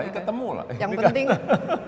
tapi ketemu lah